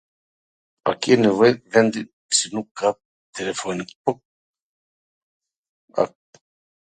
A ke nevoj vendi si nuk kap telefoni?